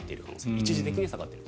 一時的に下がっていると。